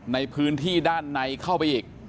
ในพื้นที่ด้านในเข้าไปอีก